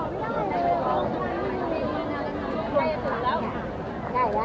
มันเป็นสิ่งที่จะให้ทุกคนรู้สึกว่ามันเป็นสิ่งที่จะให้ทุกคนรู้สึกว่า